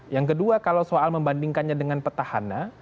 yang kedua kalau soal membandingkannya dengan petahana